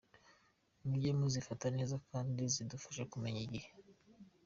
Mujye muzifata neza kandi zidufasha kumenya igihe, .